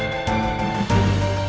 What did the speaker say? juga bisa seperti itu